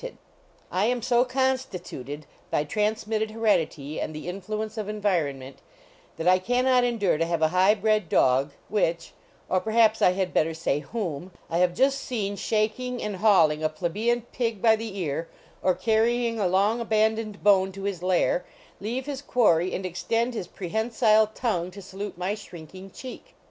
237 HOUSEHOLD PETS I am so constituted, by transmitted heredity and the influence of environment, that I can not endure to have a high bred dog which, or perhaps I had better say whom, I have just seen shaking and hauling a plebeian pig by the ear, or carrying a long abandoned bone to his lair, leave his quarry and extend his prehensile tongue to salute my shrinking cheek.